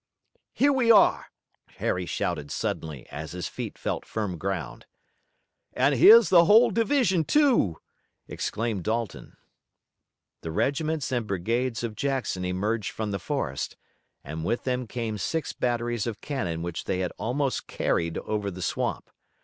"Here we are!" Harry shouted suddenly as his feet felt firm ground. "And here's the whole division, too!" exclaimed Dalton. The regiments and brigades of Jackson emerged from the forest, and with them came six batteries of cannon which they had almost carried over the swamp.